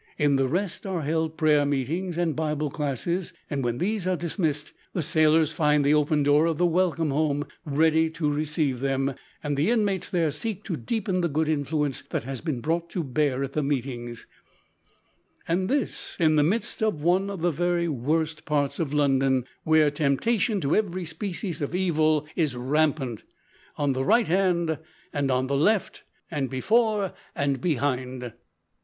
In the `Rest' are held prayer meetings and Bible classes, and when these are dismissed, the sailors find the open door of the `Welcome Home' ready to receive them, and the inmates there seek to deepen the good influence that has been brought to bear at the meetings and this in the midst of one of the very worst parts of London, where temptation to every species of evil is rampant, on the right hand and on the left, before and behind.